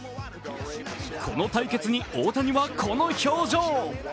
この対決に大谷はこの表情。